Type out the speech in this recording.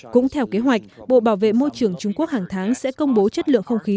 cũng theo kế hoạch bộ bảo vệ môi trường trung quốc hàng tháng sẽ công bố chất lượng không khí